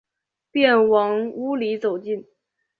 便往屋里走进